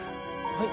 はい。